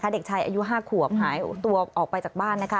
เด็กชายอายุ๕ขวบหายตัวออกไปจากบ้านนะคะ